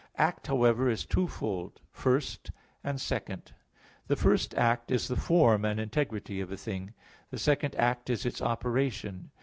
Act, however, is twofold; first, and second. The first act is the form and integrity of a thing; the second act is its operation.